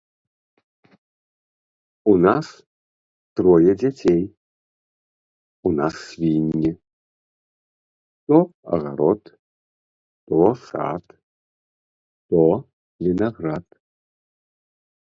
У нас трое дзяцей, у нас свінні, то агарод, то сад, то вінаград.